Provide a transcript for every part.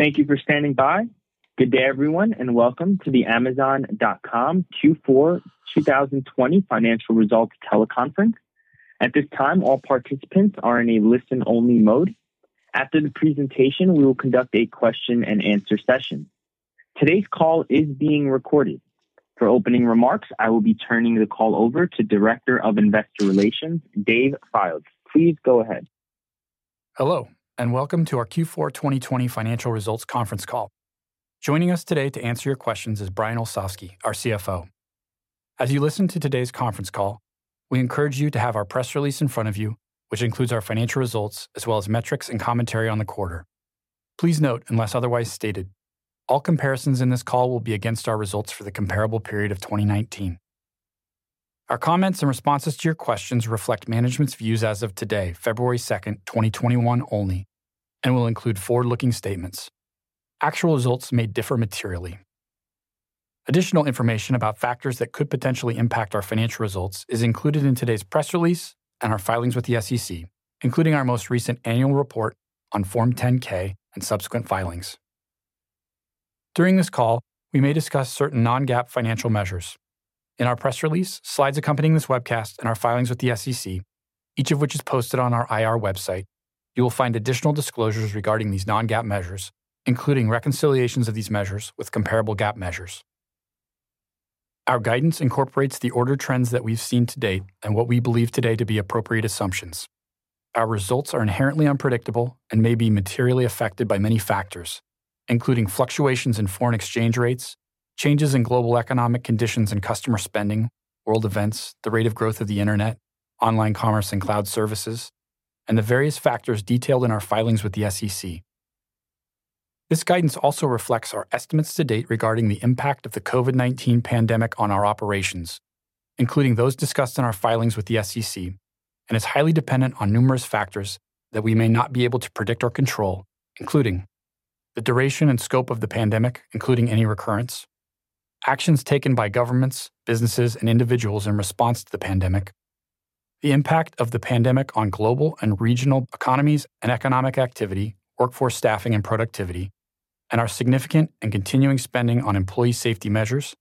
Thank you for standing by. Good day, everyone, and welcome to the Amazon.com Q4 2020 financial results teleconference. At this time, all participants are in a listen-only mode. After the presentation, we will conduct a question and answer session. Today's call is being recorded. For opening remarks, I will be turning the call over to Director of Investor Relations, Dave Fildes. Please go ahead. Hello, welcome to our Q4 2020 financial results conference call. Joining us today to answer your questions is Brian Olsavsky, our CFO. As you listen to today's conference call, we encourage you to have our press release in front of you, which includes our financial results as well as metrics and commentary on the quarter. Please note, unless otherwise stated, all comparisons in this call will be against our results for the comparable period of 2019. Our comments and responses to your questions reflect management's views as of today, February 2nd, 2021 only, and will include forward-looking statements. Actual results may differ materially. Additional information about factors that could potentially impact our financial results is included in today's press release and our filings with the SEC, including our most recent annual report on Form 10-K and subsequent filings. During this call, we may discuss certain non-GAAP financial measures. In our press release, slides accompanying this webcast, and our filings with the SEC, each of which is posted on our IR website, you will find additional disclosures regarding these non-GAAP measures, including reconciliations of these measures with comparable GAAP measures. Our guidance incorporates the order trends that we've seen to date and what we believe today to be appropriate assumptions. Our results are inherently unpredictable and may be materially affected by many factors, including fluctuations in foreign exchange rates, changes in global economic conditions and customer spending, world events, the rate of growth of the internet, online commerce and cloud services, and the various factors detailed in our filings with the SEC. This guidance also reflects our estimates to date regarding the impact of the COVID-19 pandemic on our operations, including those discussed in our filings with the SEC, and is highly dependent on numerous factors that we may not be able to predict or control, including the duration and scope of the pandemic, including any recurrence, actions taken by governments, businesses, and individuals in response to the pandemic, the impact of the pandemic on global and regional economies and economic activity, workforce staffing and productivity, and our significant and continuing spending on employee safety measures,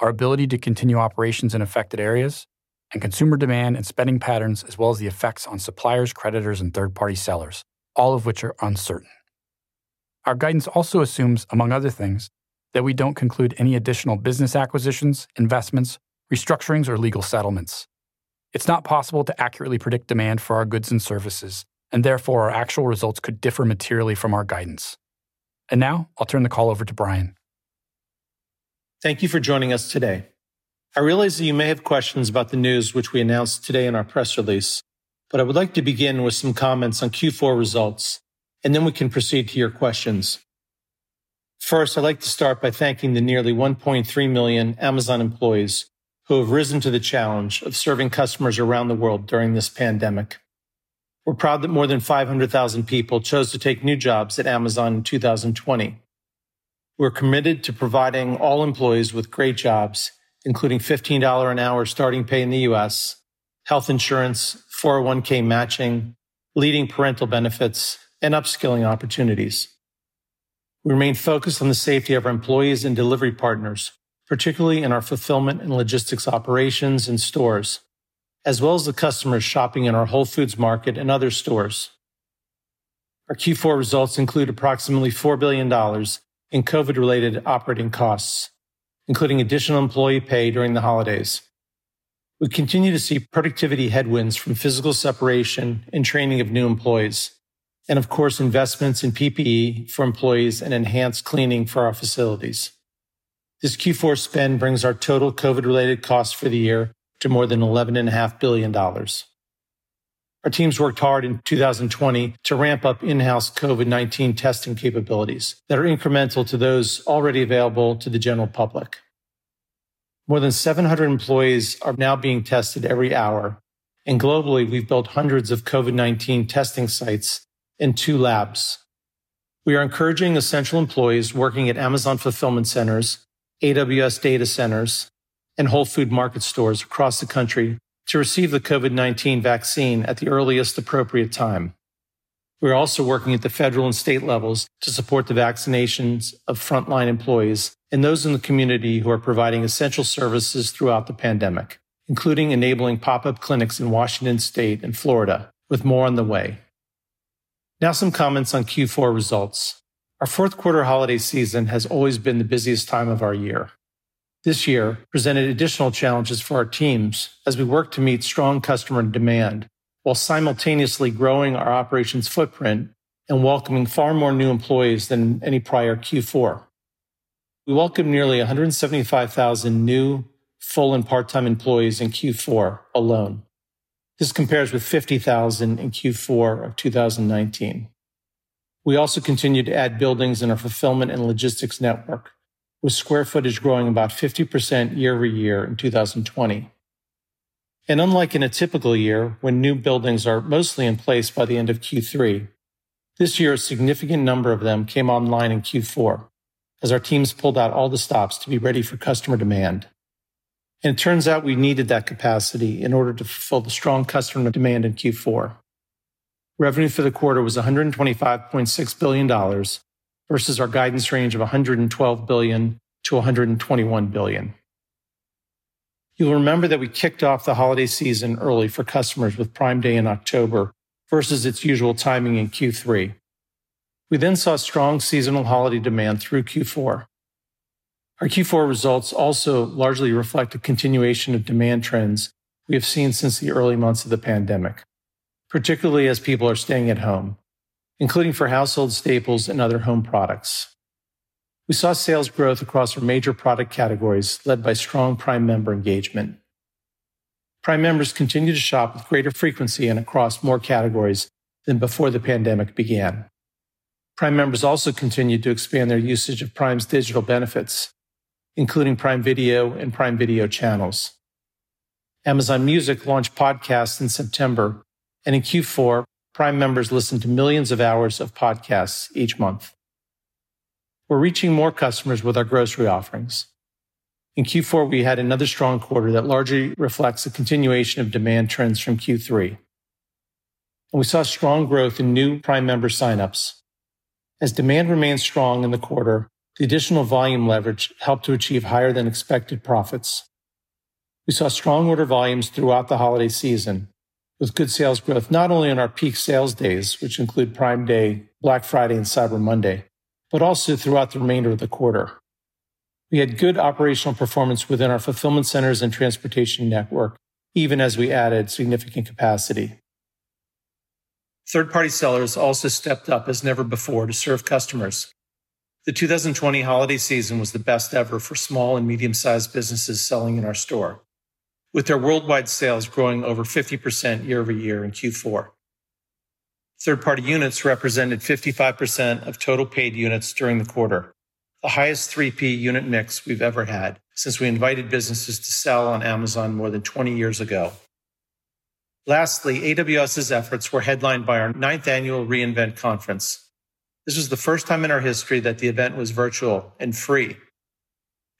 our ability to continue operations in affected areas, and consumer demand and spending patterns, as well as the effects on suppliers, creditors, and third-party sellers, all of which are uncertain. Our guidance also assumes, among other things, that we don't conclude any additional business acquisitions, investments, restructurings, or legal settlements. It's not possible to accurately predict demand for our goods and services, therefore, our actual results could differ materially from our guidance. Now, I'll turn the call over to Brian. Thank you for joining us today. I realize that you may have questions about the news which we announced today in our press release, but I would like to begin with some comments on Q4 results, and then we can proceed to your questions. First, I'd like to start by thanking the nearly 1.3 million Amazon employees who have risen to the challenge of serving customers around the world during this pandemic. We're proud that more than 500,000 people chose to take new jobs at Amazon in 2020. We're committed to providing all employees with great jobs, including $15 an hour starting pay in the U.S., health insurance, 401(k) matching, leading parental benefits, and upskilling opportunities. We remain focused on the safety of our employees and delivery partners, particularly in our fulfillment and logistics operations and stores, as well as the customers shopping in our Whole Foods Market and other stores. Our Q4 results include approximately $4 billion in COVID-related operating costs, including additional employee pay during the holidays. We continue to see productivity headwinds from physical separation and training of new employees, and of course, investments in PPE for employees and enhanced cleaning for our facilities. This Q4 spend brings our total COVID-related cost for the year to more than $11.5 billion. Our teams worked hard in 2020 to ramp up in-house COVID-19 testing capabilities that are incremental to those already available to the general public. More than 700 employees are now being tested every hour, and globally, we've built hundreds of COVID-19 testing sites and two labs. We are encouraging essential employees working at Amazon fulfillment centers, AWS data centers, and Whole Foods Market stores across the country to receive the COVID-19 vaccine at the earliest appropriate time. We are also working at the federal and state levels to support the vaccinations of frontline employees and those in the community who are providing essential services throughout the pandemic, including enabling pop-up clinics in Washington State and Florida, with more on the way. Some comments on Q4 results. Our fourth quarter holiday season has always been the busiest time of our year. This year presented additional challenges for our teams as we worked to meet strong customer demand while simultaneously growing our operations footprint and welcoming far more new employees than any prior Q4. We welcomed nearly 175,000 new full and part-time employees in Q4 alone. This compares with 50,000 in Q4 of 2019. We also continued to add buildings in our fulfillment and logistics network, with square footage growing about 50% year-over-year in 2020. Unlike in a typical year, when new buildings are mostly in place by the end of Q3, this year a significant number of them came online in Q4 as our teams pulled out all the stops to be ready for customer demand. It turns out we needed that capacity in order to fulfill the strong customer demand in Q4. Revenue for the quarter was $125.6 billion versus our guidance range of $112 billion-$121 billion. You'll remember that we kicked off the holiday season early for customers with Prime Day in October versus its usual timing in Q3. We saw strong seasonal holiday demand through Q4. Our Q4 results also largely reflect a continuation of demand trends we have seen since the early months of the pandemic, particularly as people are staying at home, including for household staples and other home products. We saw sales growth across our major product categories, led by strong Prime member engagement. Prime members continued to shop with greater frequency and across more categories than before the pandemic began. Prime members also continued to expand their usage of Prime's digital benefits, including Prime Video and Prime Video Channels. Amazon Music launched podcasts in September, and in Q4, Prime members listened to millions of hours of podcasts each month. We're reaching more customers with our grocery offerings. In Q4, we had another strong quarter that largely reflects a continuation of demand trends from Q3. We saw strong growth in new Prime member sign-ups. As demand remained strong in the quarter, the additional volume leverage helped to achieve higher than expected profits. We saw strong order volumes throughout the holiday season, with good sales growth not only on our peak sales days, which include Prime Day, Black Friday, and Cyber Monday, but also throughout the remainder of the quarter. We had good operational performance within our fulfillment centers and transportation network, even as we added significant capacity. Third-party sellers also stepped up as never before to serve customers. The 2020 holiday season was the best ever for small and medium-sized businesses selling in our store, with their worldwide sales growing over 50% year-over-year in Q4. Third-party units represented 55% of total paid units during the quarter, the highest 3P unit mix we've ever had since we invited businesses to sell on Amazon more than 20 years ago. Lastly, AWS's efforts were headlined by our ninth annual re:Invent conference. This was the first time in our history that the event was virtual and free.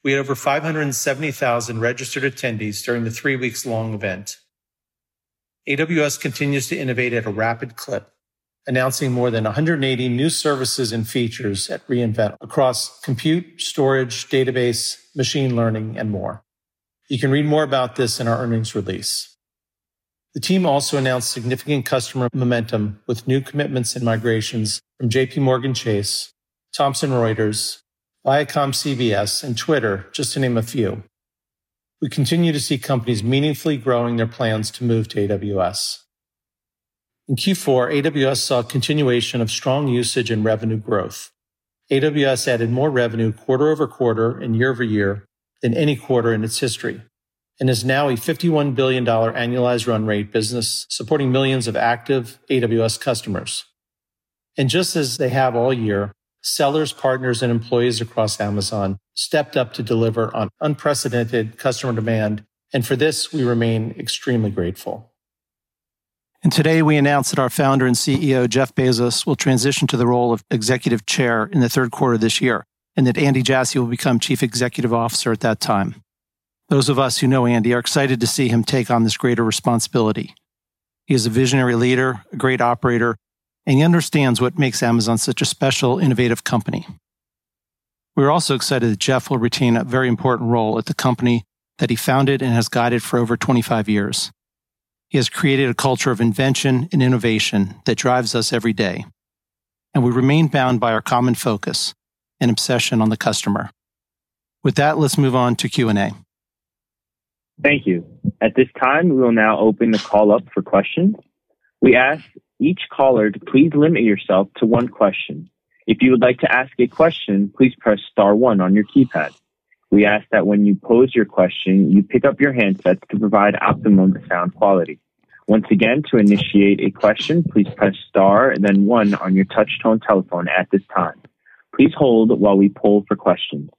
We had over 570,000 registered attendees during the three-weeks long event. AWS continues to innovate at a rapid clip, announcing more than 180 new services and features at re:Invent across compute, storage, database, machine learning, and more. You can read more about this in our earnings release. The team also announced significant customer momentum with new commitments and migrations from JPMorgan Chase, Thomson Reuters, ViacomCBS, and Twitter, just to name a few. We continue to see companies meaningfully growing their plans to move to AWS. In Q4, AWS saw a continuation of strong usage and revenue growth. AWS added more revenue quarter-over-quarter and year-over-year than any quarter in its history, and is now a $51 billion annualized run rate business supporting millions of active AWS customers. Just as they have all year, sellers, partners, and employees across Amazon stepped up to deliver on unprecedented customer demand, and for this, we remain extremely grateful. Today, we announced that our Founder and CEO, Jeff Bezos, will transition to the role of Executive Chair in the third quarter of this year, and that Andy Jassy will become Chief Executive Officer at that time. Those of us who know Andy are excited to see him take on this greater responsibility. He is a visionary leader, a great operator, and he understands what makes Amazon such a special, innovative company. We're also excited that Jeff will retain a very important role at the company that he founded and has guided for over 25 years. He has created a culture of invention and innovation that drives us every day, and we remain bound by our common focus and obsession on the customer. With that, let's move on to Q&A. Thank you. At this time, we will now open the call up for questions. We ask each caller to please limit yourself to one question. If you would like to ask a question, please press star one on your keypad. We ask that when you pose your question, you pick up your handsets to provide optimum sound quality. Once again, to initiate a question, please press star and then one on your touch-tone telephone at this time. Please hold while we poll for questions.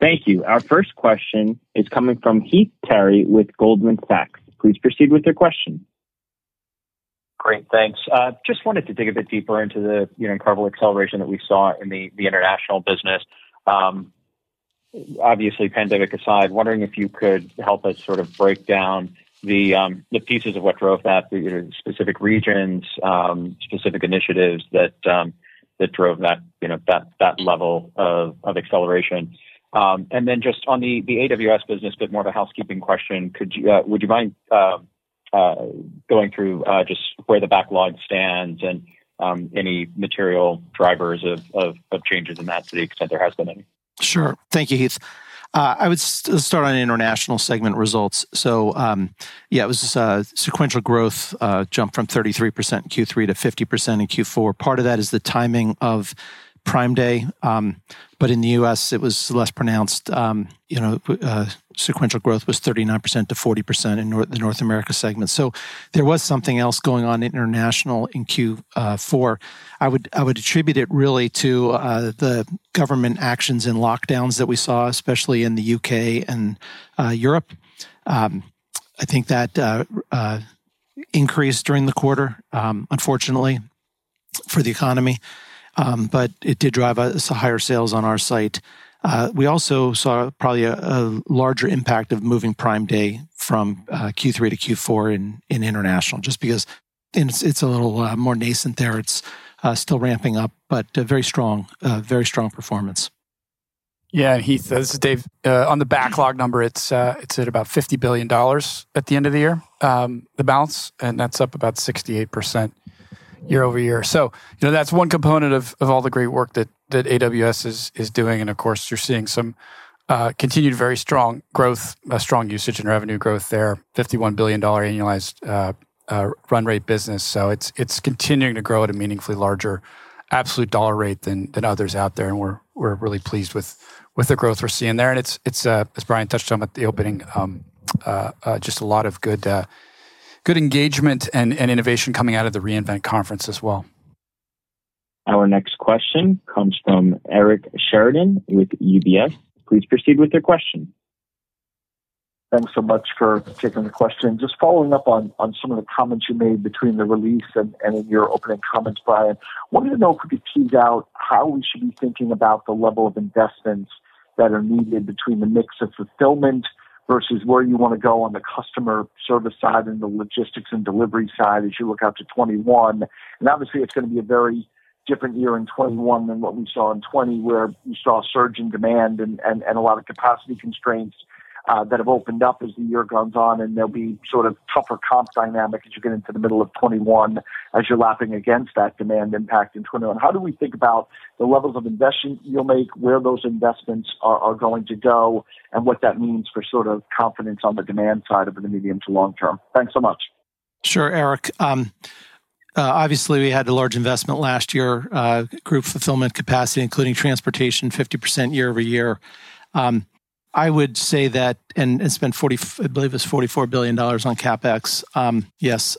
Thank you. Our first question is coming from Heath Terry with Goldman Sachs. Please proceed with your question. Great. Thanks. Just wanted to dig a bit deeper into the incredible acceleration that we saw in the international business. Obviously, pandemic aside, wondering if you could help us sort of break down the pieces of what drove that, the specific regions, specific initiatives that drove that level of acceleration. Then just on the AWS business, a bit more of a housekeeping question. Would you mind going through just where the backlog stands and any material drivers of changes in that to the extent there has been any? Sure. Thank you, Heath. I would start on international segment results. It was a sequential growth jump from 33% in Q3 to 50% in Q4. Part of that is the timing of Prime Day. In the U.S., it was less pronounced. Sequential growth was 39%-40% in the North America segment. There was something else going on international in Q4. I would attribute it really to the government actions and lockdowns that we saw, especially in the U.K. and Europe. I think that increased during the quarter, unfortunately for the economy. It did drive higher sales on our site. We also saw probably a larger impact of moving Prime Day from Q3 to Q4 in international, just because it's a little more nascent there. It's still ramping up, but very strong performance. Heath. This is Dave. On the backlog number, it's at about $50 billion at the end of the year, the balance, that's up about 68% year-over-year. That's one component of all the great work that AWS is doing, of course, you're seeing some continued very strong usage and revenue growth there, $51 billion annualized run rate business. It's continuing to grow at a meaningfully larger absolute dollar rate than others out there, we're really pleased with the growth we're seeing there. It's, as Brian touched on at the opening, just a lot of good engagement and innovation coming out of the re:Invent Conference as well. Our next question comes from Eric Sheridan with UBS. Please proceed with your question. Thanks so much for taking the question. Just following up on some of the comments you made between the release and in your opening comments, Brian. Wanted to know if you could tease out how we should be thinking about the level of investments that are needed between the mix of fulfillment versus where you want to go on the customer service side and the logistics and delivery side as you look out to 2021. Obviously, it's going to be a very different year in 2021 than what we saw in 2020, where we saw a surge in demand and a lot of capacity constraints that have opened up as the year goes on, and there'll be sort of tougher comp dynamic as you get into the middle of 2021 as you're lapping against that demand impact in 2021. How do we think about the levels of investment you'll make, where those investments are going to go, and what that means for sort of confidence on the demand side over the medium to long term? Thanks so much. Sure, Eric. Obviously, we had the large investment last year, grew fulfillment capacity, including transportation, 50% year-over-year. I would say that, and I believe it was $44 billion on CapEx. Yes.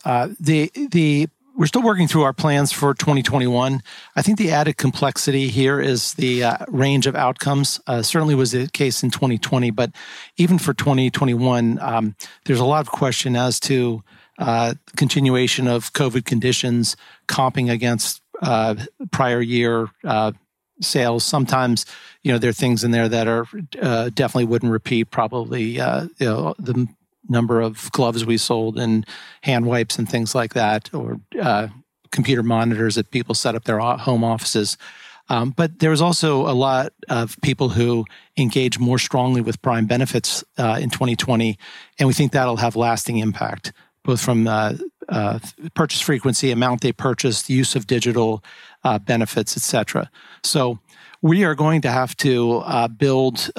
We're still working through our plans for 2021. I think the added complexity here is the range of outcomes. Certainly was the case in 2020. Even for 2021, there's a lot of question as to continuation of COVID conditions comping against prior year sales. Sometimes there are things in there that definitely wouldn't repeat, probably the number of gloves we sold and hand wipes and things like that, or computer monitors that people set up their home offices. There was also a lot of people who engaged more strongly with Prime benefits in 2020, and we think that'll have lasting impact, both from purchase frequency, amount they purchased, use of digital benefits, et cetera. We are going to have to build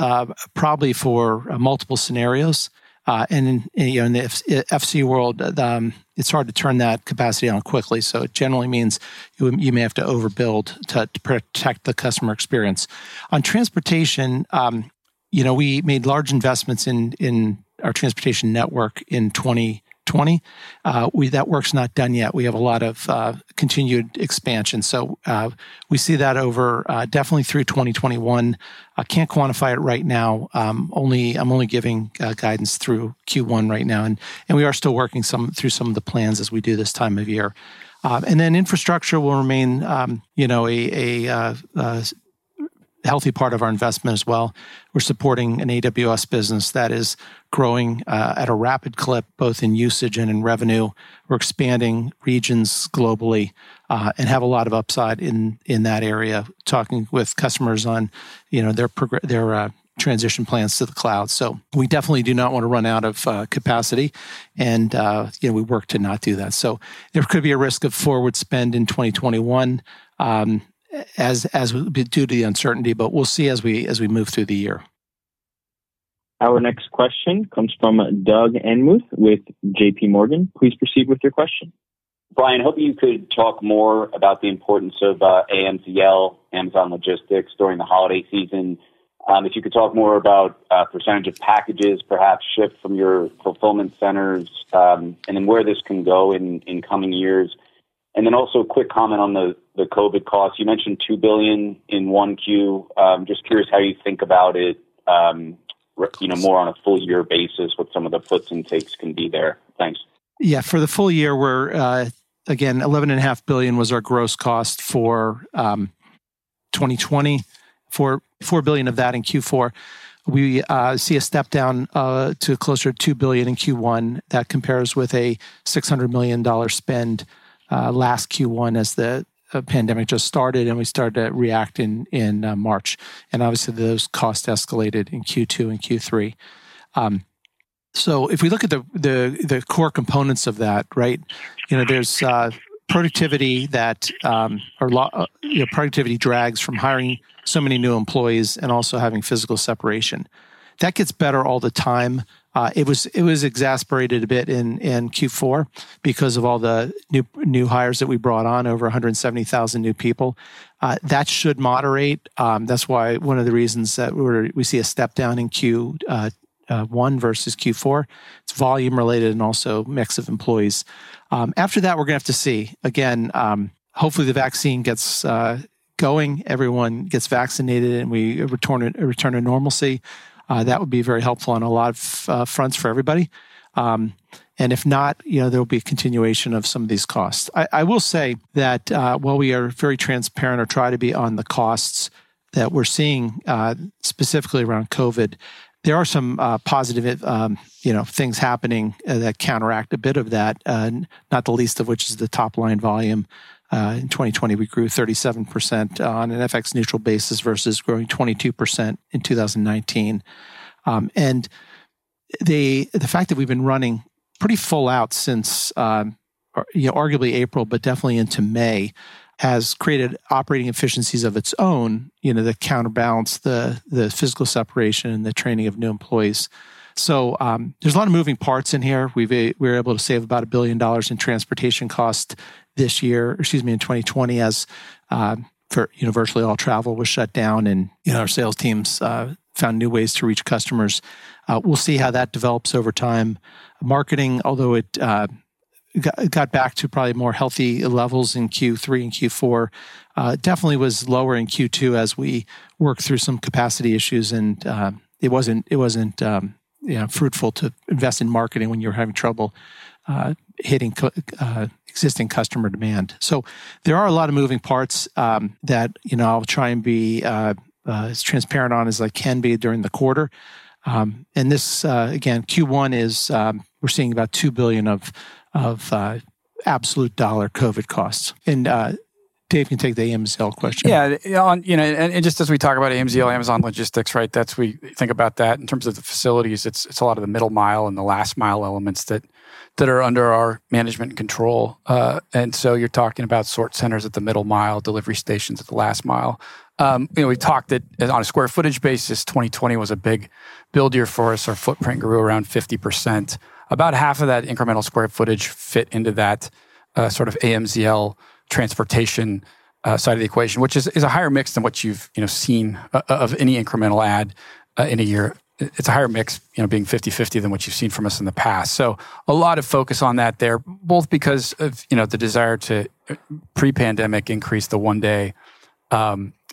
probably for multiple scenarios. In the FC world, it's hard to turn that capacity on quickly, so it generally means you may have to overbuild to protect the customer experience. On transportation, we made large investments in our transportation network in 2020. That work's not done yet. We have a lot of continued expansion. We see that over definitely through 2021. I can't quantify it right now. I'm only giving guidance through Q1 right now, and we are still working through some of the plans as we do this time of year. Infrastructure will remain a healthy part of our investment as well. We're supporting an AWS business that is growing at a rapid clip, both in usage and in revenue. We're expanding regions globally, and have a lot of upside in that area, talking with customers on their transition plans to the cloud. We definitely do not want to run out of capacity, and we work to not do that. There could be a risk of forward spend in 2021 due to the uncertainty, but we'll see as we move through the year. Our next question comes from Doug Anmuth with JPMorgan. Please proceed with your question. Brian, hoping you could talk more about the importance of AMZL, Amazon Logistics, during the holiday season. If you could talk more about percentage of packages, perhaps shipped from your fulfillment centers, and then where this can go in coming years. Also a quick comment on the COVID costs. You mentioned $2 billion in 1Q. I'm just curious how you think about it more on a full year basis, what some of the puts and takes can be there. Thanks. Yeah. For the full year, again, $11.5 billion was our gross cost for 2020, $4 billion of that in Q4. We see a step-down to closer to $2 billion in Q1. That compares with a $600 million spend last Q1 as the pandemic just started and we started to react in March. Obviously those costs escalated in Q2 and Q3. If we look at the core components of that, there's productivity drags from hiring so many new employees and also having physical separation. That gets better all the time. It was exacerbated a bit in Q4 because of all the new hires that we brought on, over 170,000 new people. That should moderate. That's why one of the reasons that we see a step-down in Q1 versus Q4. It's volume related and also mix of employees. After that, we're going to have to see. Again, hopefully the vaccine gets going, everyone gets vaccinated, and we return to normalcy. That would be very helpful on a lot of fronts for everybody. If not, there'll be a continuation of some of these costs. I will say that while we are very transparent or try to be on the costs that we're seeing specifically around COVID-19, there are some positive things happening that counteract a bit of that, not the least of which is the top-line volume. In 2020, we grew 37% on an FX-neutral basis versus growing 22% in 2019. The fact that we've been running pretty full out since arguably April, but definitely into May, has created operating efficiencies of its own that counterbalance the physical separation and the training of new employees. There's a lot of moving parts in here. We're able to save about $1 billion in transportation cost this year, excuse me, in 2020, as for virtually all travel was shut down, and our sales teams found new ways to reach customers. We'll see how that develops over time. Marketing, although it got back to probably more healthy levels in Q3 and Q4, definitely was lower in Q2 as we worked through some capacity issues, and it wasn't fruitful to invest in marketing when you're having trouble hitting existing customer demand. There are a lot of moving parts that I'll try and be as transparent on as I can be during the quarter. This, again, Q1 is we're seeing about $2 billion of absolute dollar COVID costs. Dave can take the AMZL question. Yeah. Just as we talk about AMZL, Amazon Logistics. In terms of the facilities, it's a lot of the middle mile and the last mile elements that are under our management control. You're talking about sort centers at the middle mile, delivery stations at the last mile. We've talked that on a square footage basis, 2020 was a big build year for us. Our footprint grew around 50%. About half of that incremental square footage fit into that sort of AMZL transportation side of the equation, which is a higher mix than what you've seen of any incremental add in a year. It's a higher mix, being 50/50, than what you've seen from us in the past. A lot of focus on that there, both because of the desire to pre-pandemic increase the one-day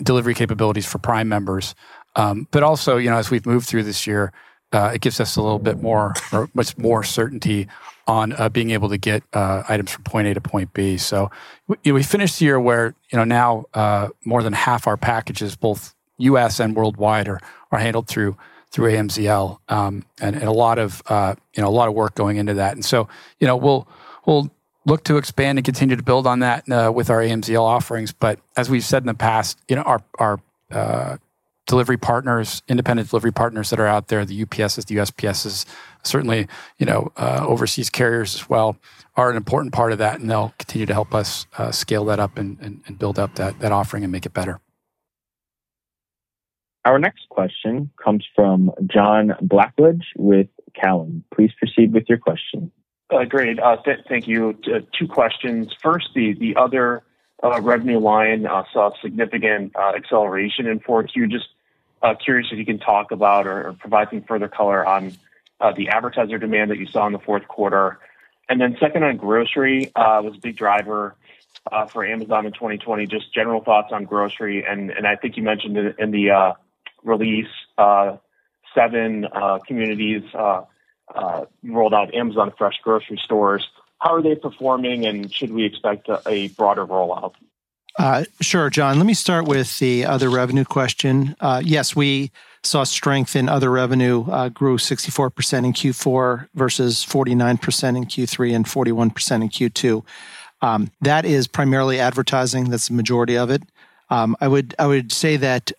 delivery capabilities for Prime members. Also, as we've moved through this year, it gives us a little bit more, or much more certainty on being able to get items from point A to point B. We finished the year where now more than half our packages, both U.S. and worldwide, are handled through AMZL. A lot of work going into that. We'll look to expand and continue to build on that with our AMZL offerings. As we've said in the past, our delivery partners, independent delivery partners that are out there, the UPSs, the USPSs, certainly overseas carriers as well, are an important part of that, and they'll continue to help us scale that up and build up that offering and make it better. Our next question comes from John Blackledge with Cowen. Please proceed with your question. Great. Thank you. Two questions. First, the other revenue line saw significant acceleration in 4Q. Just curious if you can talk about or provide some further color on the advertiser demand that you saw in the fourth quarter. Second on grocery, was a big driver for Amazon in 2020. Just general thoughts on grocery, and I think you mentioned it in the release, seven communities rolled out Amazon Fresh grocery stores. How are they performing, and should we expect a broader rollout? Sure, John. Let me start with the other revenue question. Yes, we saw strength in other revenue grew 64% in Q4 versus 49% in Q3 and 41% in Q2. That is primarily advertising. That's the majority of it. I would say that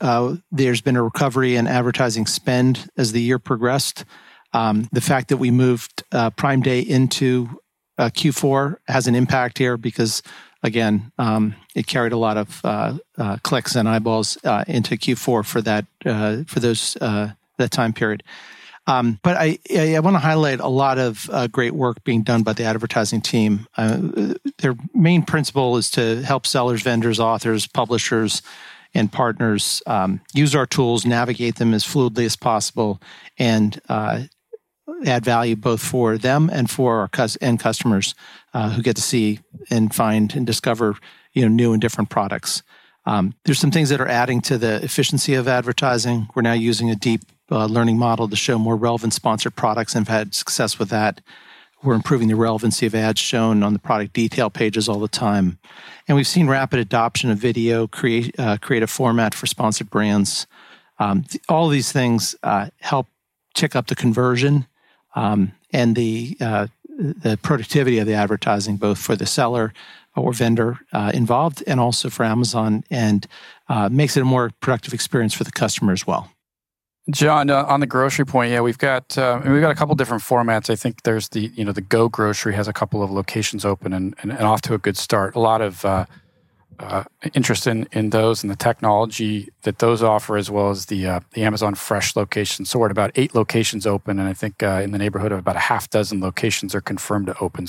there's been a recovery in advertising spend as the year progressed. The fact that we moved Prime Day into Q4 has an impact here because, again it carried a lot of clicks and eyeballs into Q4 for the time period. I want to highlight a lot of great work being done by the advertising team. Their main principle is to help sellers, vendors, authors, publishers, and partners use our tools, navigate them as fluidly as possible, and add value both for them and for our end customers who get to see and find and discover new and different products. There's some things that are adding to the efficiency of advertising. We're now using a deep learning model to show more relevant Sponsored Products and have had success with that. We're improving the relevancy of ads shown on the product detail pages all the time. We've seen rapid adoption of video creative format for Sponsored Brands. All these things help tick up the conversion, and the productivity of the advertising, both for the seller or vendor involved and also for Amazon, and makes it a more productive experience for the customer as well. John, on the grocery point, yeah, we've got a couple different formats. I think there's the Amazon Go Grocery has a couple of locations open and off to a good start. A lot of interest in those and the technology that those offer, as well as the Amazon Fresh locations. We're at about eight locations open, and I think in the neighborhood of about a half dozen locations are confirmed to open.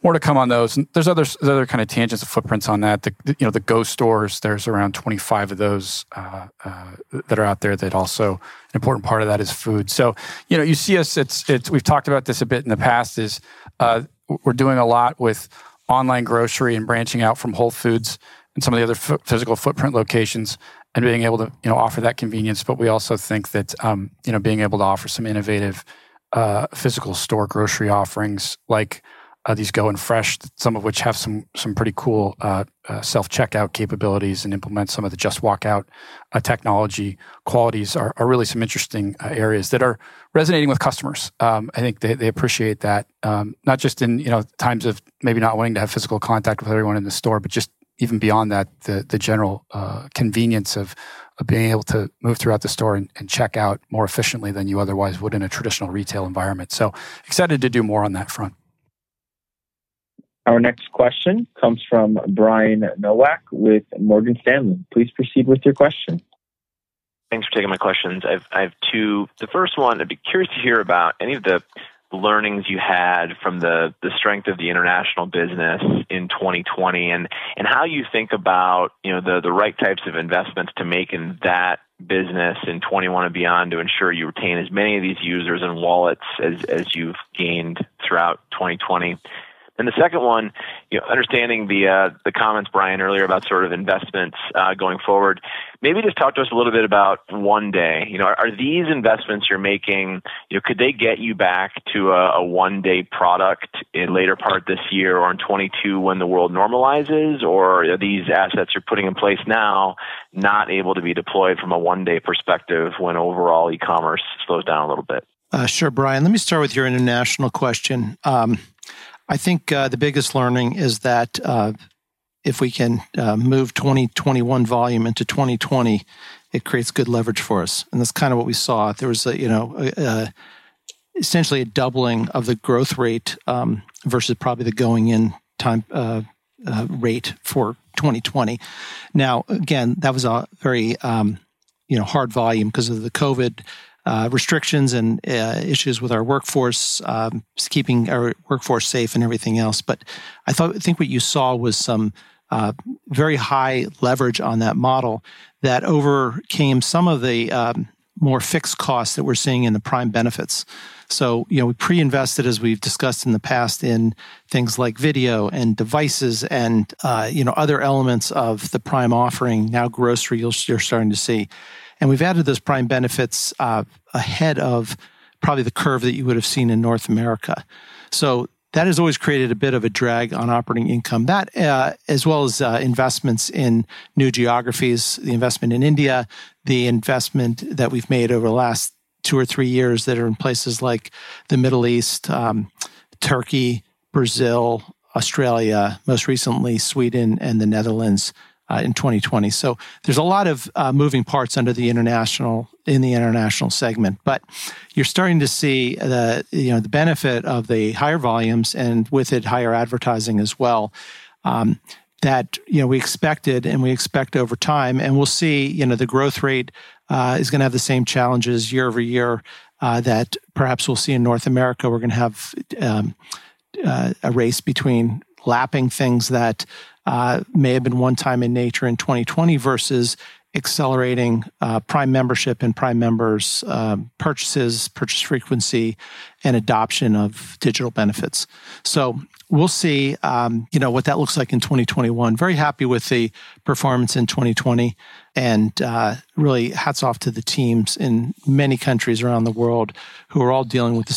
More to come on those. There's other kind of tangents of footprints on that. The Amazon Go stores, there's around 25 of those that are out there that also an important part of that is food. You see us, we've talked about this a bit in the past, is we're doing a lot with online grocery and branching out from Whole Foods and some of the other physical footprint locations and being able to offer that convenience. We also think that being able to offer some innovative physical store grocery offerings like these Go and Fresh, some of which have some pretty cool self-checkout capabilities and implement some of the Just Walk Out technology qualities, are really some interesting areas that are resonating with customers. I think they appreciate that. Not just in times of maybe not wanting to have physical contact with everyone in the store, but just even beyond that, the general convenience of being able to move throughout the store and check out more efficiently than you otherwise would in a traditional retail environment. Excited to do more on that front. Our next question comes from Brian Nowak with Morgan Stanley. Please proceed with your question. Thanks for taking my questions. I have two. The first one, I'd be curious to hear about any of the learnings you had from the strength of the international business in 2020, and how you think about the right types of investments to make in that business in 2021 and beyond to ensure you retain as many of these users and wallets as you've gained throughout 2020. The second one, understanding the comments, Brian, earlier about sort of investments going forward. Maybe just talk to us a little bit about One Day. Are these investments you're making, could they get you back to a One Day product in later part this year or in 2022 when the world normalizes, or are these assets you're putting in place now not able to be deployed from a One Day perspective when overall e-commerce slows down a little bit? Sure, Brian. Let me start with your international question. I think the biggest learning is that if we can move 2021 volume into 2020, it creates good leverage for us. That's kind of what we saw. There was essentially a doubling of the growth rate versus probably the going in rate for 2020. Again, that was a very hard volume because of the COVID restrictions and issues with our workforce, keeping our workforce safe and everything else. I think what you saw was some very high leverage on that model that overcame some of the more fixed costs that we're seeing in the Prime benefits. We pre-invested, as we've discussed in the past, in things like video and devices and other elements of the Prime offering. Grocery, you're starting to see. We've added those Prime benefits ahead of probably the curve that you would've seen in North America. That has always created a bit of a drag on operating income. That as well as investments in new geographies, the investment in India, the investment that we've made over the last two or three years that are in places like the Middle East, Turkey, Brazil, Australia, most recently Sweden and the Netherlands in 2020. There's a lot of moving parts in the international segment. You're starting to see the benefit of the higher volumes, and with it, higher advertising as well, that we expected and we expect over time. We'll see the growth rate is going to have the same challenges year-over-year that perhaps we'll see in North America. We're going to have a race between lapping things that may have been one time in nature in 2020 versus accelerating Prime membership and Prime members' purchases, purchase frequency, and adoption of digital benefits. We'll see what that looks like in 2021. Very happy with the performance in 2020, really hats off to the teams in many countries around the world who are all dealing with the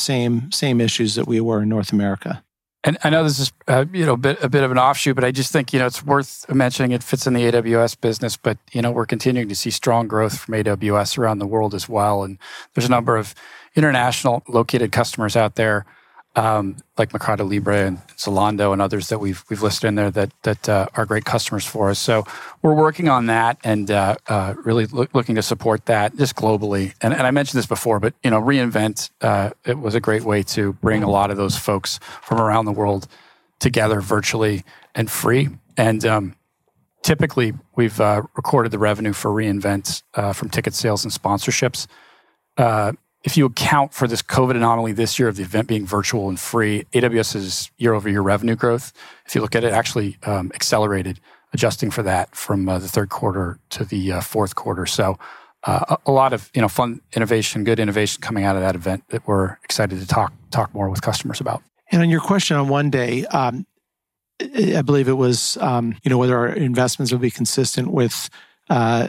same issues that we were in North America. I know this is a bit of an offshoot, but I just think it's worth mentioning. It fits in the AWS business, but we're continuing to see strong growth from AWS around the world as well, and there's a number of international located customers out there like MercadoLibre and Zalando and others that we've listed in there that are great customers for us. We're working on that and really looking to support that just globally. I mentioned this before, but re:Invent, it was a great way to bring a lot of those folks from around the world together virtually and free. Typically, we've recorded the revenue for re:Invent from ticket sales and sponsorships. If you account for this COVID anomaly this year of the event being virtual and free, AWS's year-over-year revenue growth, if you look at it, actually accelerated adjusting for that from the third quarter to the fourth quarter. A lot of fun innovation, good innovation coming out of that event that we're excited to talk more with customers about. On your question on One Day, I believe it was whether our investments will be consistent with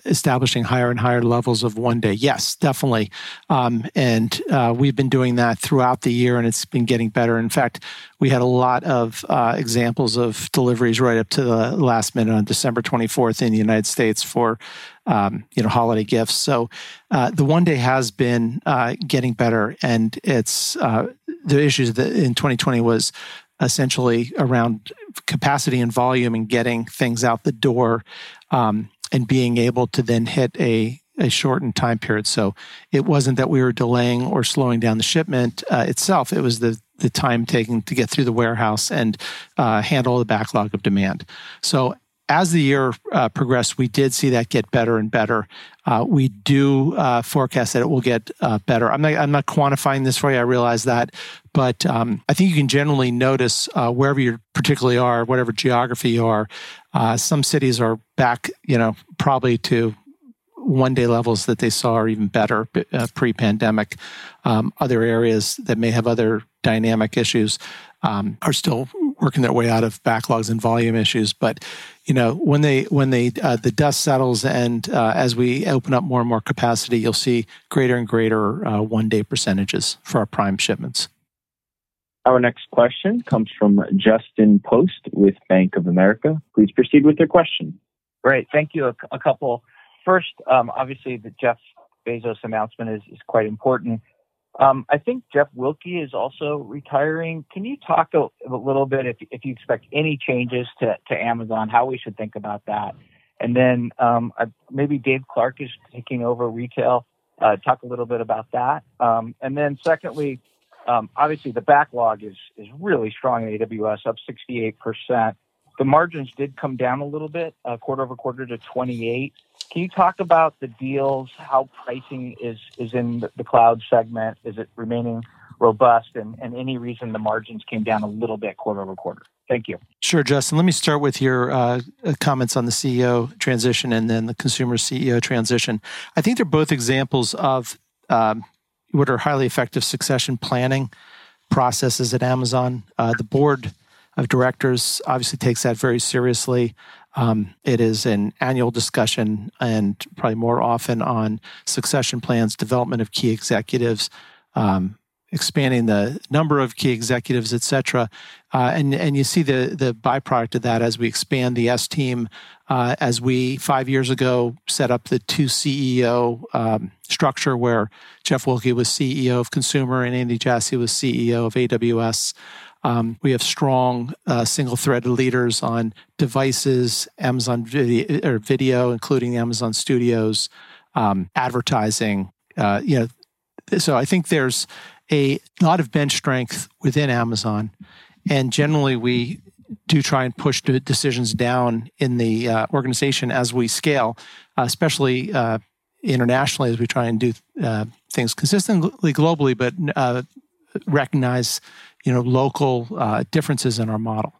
establishing higher and higher levels of One Day. Yes, definitely. We've been doing that throughout the year, and it's been getting better. In fact, we had a lot of examples of deliveries right up to the last minute on December 24th in the U.S. for holiday gifts. The One Day has been getting better, and the issues in 2020 was essentially around capacity and volume and getting things out the door, and being able to then hit a shortened time period. It wasn't that we were delaying or slowing down the shipment itself, it was the time taken to get through the warehouse and handle the backlog of demand. As the year progressed, we did see that get better and better. We do forecast that it will get better. I'm not quantifying this for you, I realize that, but I think you can generally notice wherever you particularly are, whatever geography you are, some cities are back probably to One-Day levels that they saw are even better pre-pandemic. Other areas that may have other dynamic issues are still working their way out of backlogs and volume issues. When the dust settles and as we open up more and more capacity, you'll see greater and greater One-Day percentages for our Prime shipments. Our next question comes from Justin Post with Bank of America. Please proceed with your question. Great. Thank you. A couple. First, obviously the Jeff Bezos announcement is quite important. I think Jeff Wilke is also retiring. Can you talk a little bit if you expect any changes to Amazon, how we should think about that? Maybe Dave Clark is taking over retail. Talk a little bit about that. Secondly, obviously the backlog is really strong in AWS, up 68%. The margins did come down a little bit, quarter-over-quarter to 28%. Can you talk about the deals, how pricing is in the cloud segment? Is it remaining robust? Any reason the margins came down a little bit quarter-over-quarter? Thank you. Sure, Justin. Let me start with your comments on the CEO transition and then the Consumer CEO transition. I think they're both examples of what are highly effective succession planning processes at Amazon. The board of directors obviously takes that very seriously. It is an annual discussion, and probably more often on succession plans, development of key executives, expanding the number of key executives, et cetera. You see the by-product of that as we expand the S-Team, as we, five years ago, set up the two CEO structure where Jeff Wilke was CEO of Consumer and Andy Jassy was CEO of AWS. We have strong single-threaded leaders on devices, Amazon Video, including Amazon Studios, advertising. I think there's a lot of bench strength within Amazon, and generally we do try and push decisions down in the organization as we scale, especially internationally, as we try and do things consistently globally, but recognize local differences in our model.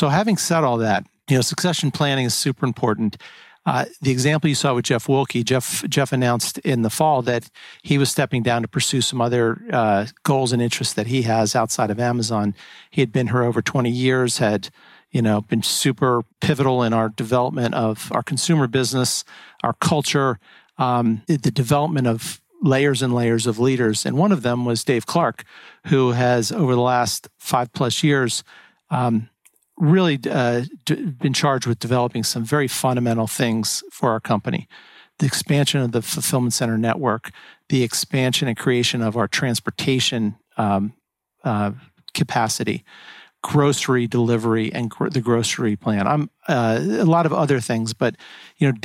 Having said all that, succession planning is super important. The example you saw with Jeff Wilke, Jeff announced in the fall that he was stepping down to pursue some other goals and interests that he has outside of Amazon. He had been here over 20 years, had been super pivotal in our development of our consumer business, our culture, the development of layers and layers of leaders. One of them was Dave Clark, who has over the last five-plus years really been charged with developing some very fundamental things for our company. The expansion of the fulfillment center network, the expansion and creation of our transportation capacity, grocery delivery, and the grocery plan. A lot of other things. Dave Clark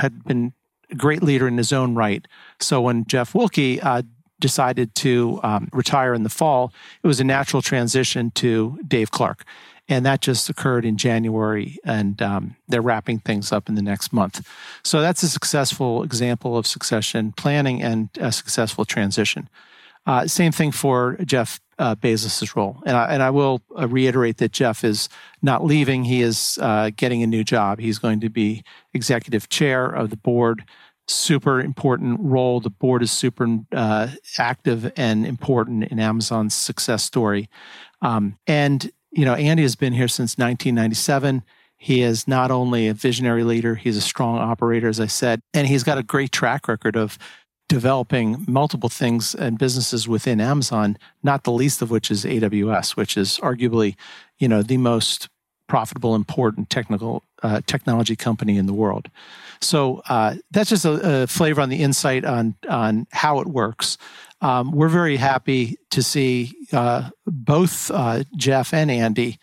had been a great leader in his own right. When Jeff Wilke decided to retire in the fall, it was a natural transition to Dave Clark, and that just occurred in January, and they're wrapping things up in the next month. That's a successful example of succession planning and a successful transition. Same thing for Jeff Bezos' role. I will reiterate that Jeff is not leaving. He is getting a new job. He's going to be Executive Chair of the Board. Super important role. The board is super active and important in Amazon's success story. Andy Jassy has been here since 1997. He is not only a visionary leader, he's a strong operator, as I said, and he's got a great track record of developing multiple things and businesses within Amazon, not the least of which is AWS, which is arguably the most profitable, important technology company in the world. That's just a flavor on the insight on how it works. We're very happy to see both Jeff and Andy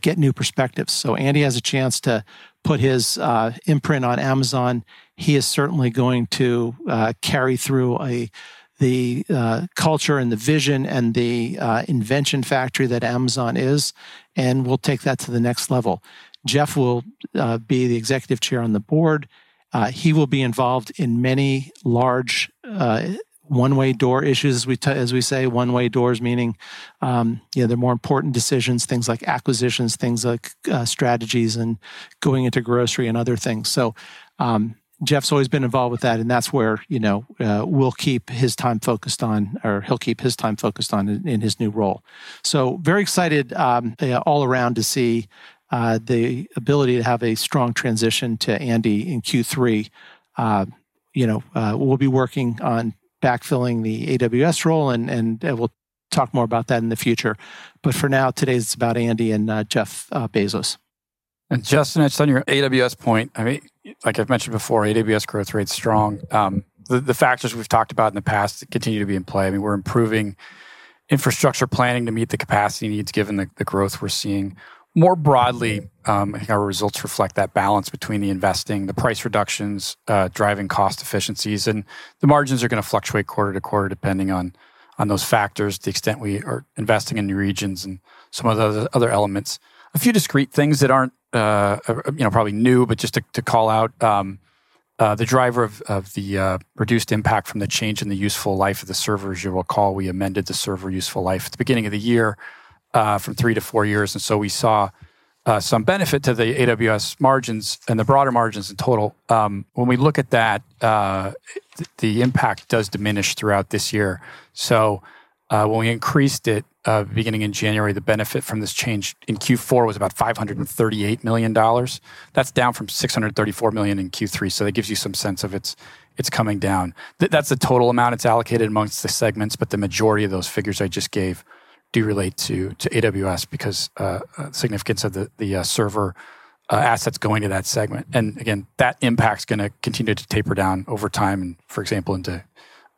get new perspectives. Andy has a chance to put his imprint on Amazon. He is certainly going to carry through the culture and the vision and the invention factory that Amazon is, and will take that to the next level. Jeff will be the executive chair on the board. He will be involved in many large one-way door issues, as we say, one-way doors meaning the more important decisions, things like acquisitions, things like strategies and going into grocery and other things. Jeff's always been involved with that, and that's where we'll keep his time focused on, or he'll keep his time focused on in his new role. Very excited all around to see the ability to have a strong transition to Andy in Q3. We'll be working on backfilling the AWS role, and we'll talk more about that in the future. For now, today's about Andy and Jeff Bezos. Justin, I'd say on your AWS point, like I've mentioned before, AWS growth rate's strong. The factors we've talked about in the past continue to be in play. We're improving infrastructure planning to meet the capacity needs given the growth we're seeing. More broadly, I think our results reflect that balance between the investing, the price reductions, driving cost efficiencies, and the margins are going to fluctuate quarter-to-quarter depending on those factors, the extent we are investing in new regions and some of the other elements. A few discrete things that aren't probably new, but just to call out, the driver of the reduced impact from the change in the useful life of the servers. You'll recall we amended the server useful life at the beginning of the year from three to four years. We saw some benefit to the AWS margins and the broader margins in total. When we look at that, the impact does diminish throughout this year. When we increased it beginning in January, the benefit from this change in Q4 was about $538 million. That's down from $634 million in Q3, that gives you some sense of its coming down. That's the total amount it's allocated amongst the segments, but the majority of those figures I just gave do relate to AWS because significance of the server assets going to that segment. That impact is going to continue to taper down over time, for example, into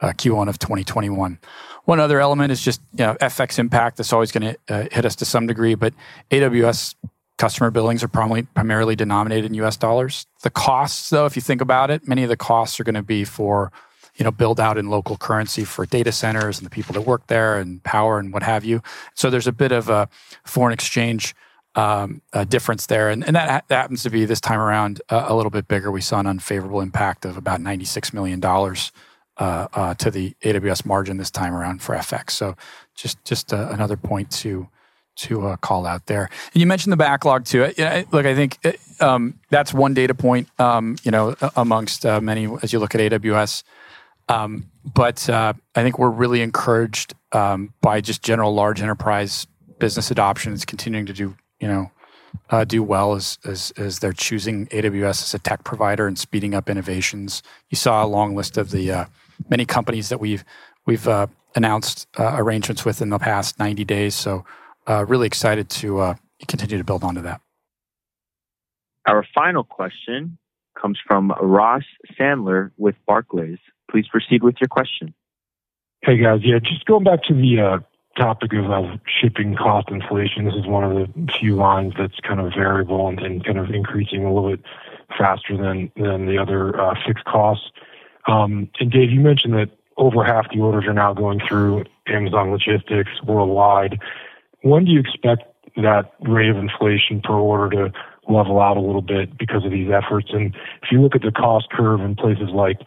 Q1 of 2021. One other element is just FX impact. That's always going to hit us to some degree, but AWS customer billings are primarily denominated in US dollars. The costs, though, if you think about it, many of the costs are going to be for build-out in local currency for data centers and the people that work there and power and what have you. There's a bit of a foreign exchange difference there, and that happens to be, this time around, a little bit bigger. We saw an unfavorable impact of about $96 million to the AWS margin this time around for FX. Just another point to call out there. You mentioned the backlog too. Look, I think that's one data point amongst many as you look at AWS. I think we're really encouraged by just general large enterprise business adoptions continuing to do well as they're choosing AWS as a tech provider and speeding up innovations. You saw a long list of the many companies that we've announced arrangements with in the past 90 days. Really excited to continue to build onto that. Our final question comes from Ross Sandler with Barclays. Please proceed with your question. Hey, guys. Yeah, just going back to the topic of shipping cost inflation. This is one of the few lines that's variable and increasing a little bit faster than the other fixed costs. Dave, you mentioned that over half the orders are now going through Amazon Logistics worldwide. When do you expect that rate of inflation per order to level out a little bit because of these efforts? If you look at the cost curve in places like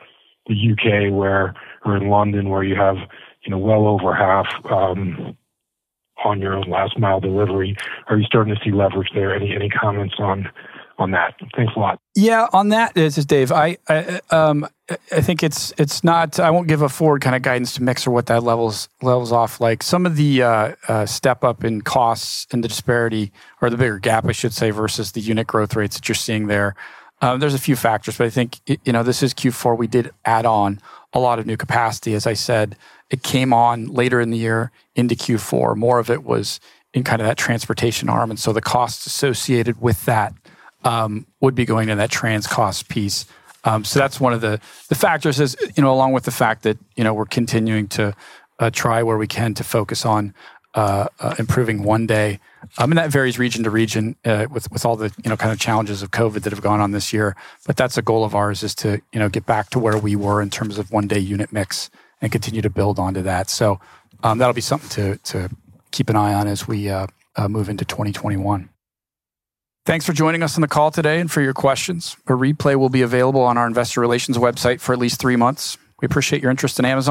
the U.K. or in London, where you have well over half on your last mile delivery, are you starting to see leverage there? Any comments on that? Thanks a lot. Yeah, on that, this is Dave. I won't give a forward guidance to mix or what that levels off like. Some of the step-up in costs and the disparity or the bigger gap, I should say, versus the unit growth rates that you're seeing there. There's a few factors. I think this is Q4. We did add on a lot of new capacity. As I said, it came on later in the year into Q4. More of it was in that transportation arm. The costs associated with that would be going in that trans cost piece. That's one of the factors, along with the fact that we're continuing to try where we can to focus on improving One Day. That varies region to region with all the challenges of COVID that have gone on this year. That's a goal of ours is to get back to where we were in terms of one-day unit mix and continue to build onto that. That'll be something to keep an eye on as we move into 2021. Thanks for joining us on the call today and for your questions. A replay will be available on our investor relations website for at least three months. We appreciate your interest in Amazon.